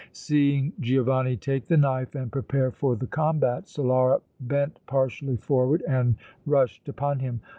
Seeing Giovanni take the knife and prepare for the combat, Solara bent partially forward and rushed upon him.